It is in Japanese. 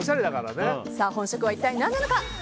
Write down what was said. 本職は一体何なのか。